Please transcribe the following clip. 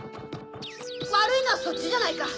わるいのはそっちじゃないか！